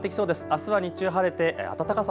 あすは日中晴れて暖かさ